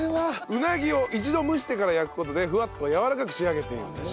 うなぎを一度蒸してから焼く事でフワッとやわらかく仕上げていると。